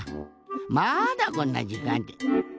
まだこんなじかんで。